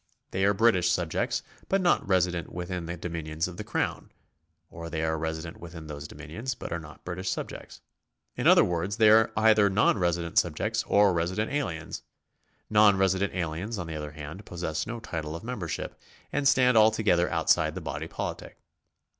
They are British subjects, but not resident within the dominions of the Crown ; or they are resident within those dominions, but are not British subjects. In other words, they are either non resident sub j ects or resident aliens . Non resident aliens , on the other hand, possess no title of membership, and stand altogether outside the body politic.